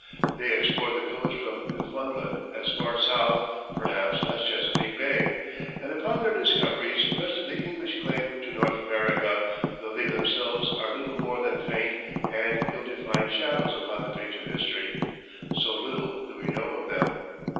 They explored the coast from Newfoundland as far south, perhaps, as Chesapeake Bay, and upon their discoveries rested the English claim to North America, though they themselves are little more than faint and ill defined shadows upon the page of history, so little do we know of them.